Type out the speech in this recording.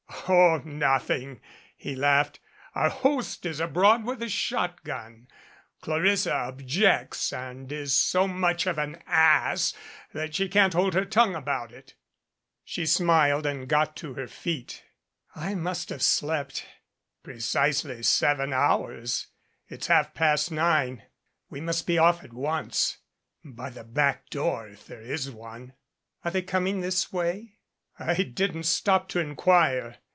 "Oh, nothing," he laughed. "Our host is abroad with a shotgun. Clarissa objects, and is so much of an ass that she can't hold her tongue about it." She smiled and got to her feet. 227 MADCAP "I must have slept " "Precisely seven hours. It's half past nine. We must be off at once by the back door if there is one " "Are they coming this way?" "I didn't stop to inquire.